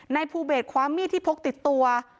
นายภูเบสคว้ามีดที่พกติดตัว